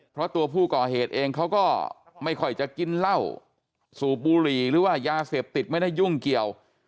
เพราะตัวผู้ก่อเหตุเองเขาก็ไม่ค่อยจะกินเหล้าสูบบุหรี่หรือว่ายาเสพติดไม่ได้ยุ่งเกี่ยว